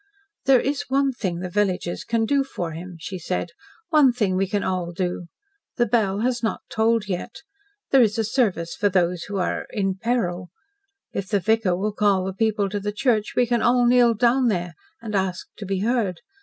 "There is one thing the villagers can do for him," she said. "One thing we can all do. The bell has not tolled yet. There is a service for those who are in peril. If the vicar will call the people to the church, we can all kneel down there and ask to be heard.